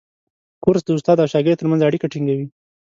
کورس د استاد او شاګرد ترمنځ اړیکه ټینګوي.